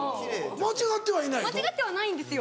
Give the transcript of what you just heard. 間違ってはないんですよ。